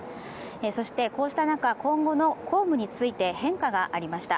そしてこうした中、今後の公務について変化がありました。